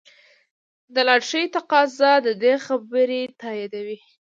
د لاټرۍ تقاضا د دې خبرې تاییدوي.